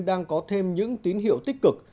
đang có thêm những tín hiệu tích cực